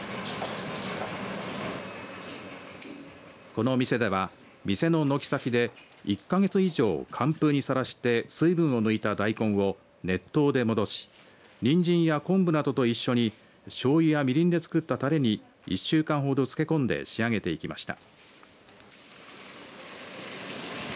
このお店では、店の軒先で１か月以上、寒風にさらして水分を抜いた大根を熱湯で戻しにんじんや昆布などと一緒にしょうゆやみりんで作ったたれに１週間ほど漬け込んで仕上げていきました。